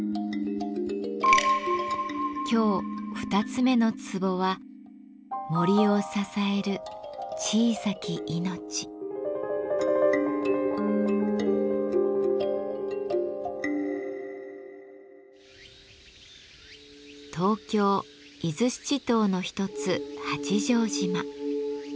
今日二つ目のツボは東京・伊豆七島の一つ八丈島。